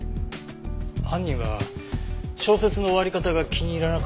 犯人は小説の終わり方が気に入らなかったとか。